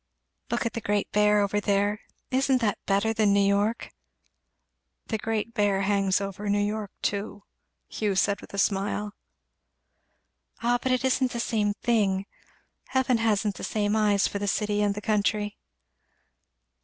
Look at the Great Bear over there! isn't that better than New York?" "The Great Bear hangs over New York too," Hugh said with a smile. "Ah but it isn't the same thing. Heaven hasn't the same eyes for the city and the country."